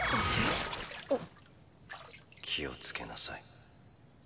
あ⁉・気を付けなさい。